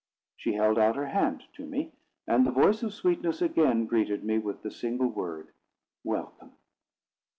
She held out her hand to me, and the voice of sweetness again greeted me, with the single word, "Welcome."